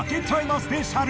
スペシャル！